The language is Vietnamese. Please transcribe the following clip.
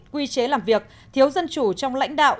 quy chế làm việc thiếu dân chủ trong lãnh đạo